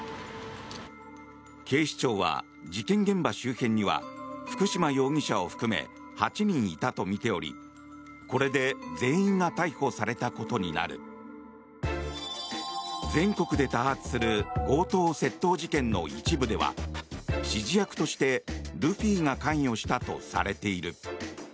警視庁は、事件現場周辺には福嶋容疑者を含め８人いたとみておりこれで全員が逮捕されたことになる。全国で多発する強盗・窃盗事件の一部では指示役としてルフィが関与したとされている。